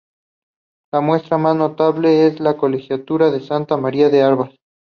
La muestra más notable es la Colegiata de Santa María de Arbas.